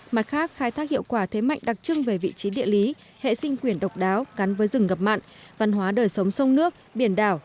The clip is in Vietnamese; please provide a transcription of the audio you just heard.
mặt khác khai thác hiệu quả thế mạnh đặc trưng về vị trí địa lý hệ sinh quyền độc đáo gắn với rừng ngập mặn văn hóa đời sống sông nước biển đảo